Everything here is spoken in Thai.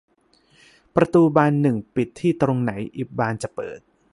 ประตูบานหนึ่งปิดที่ตรงไหน อีกบานจะเปิด